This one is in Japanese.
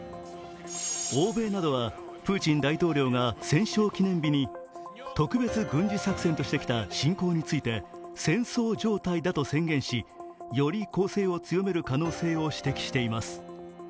欧米などはプーチン大統領が戦勝記念日に、特別軍事作戦としてきた侵攻について戦争状態だと宣言し、より攻勢を強める可能性を指摘しています。